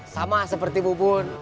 sama seperti bu bun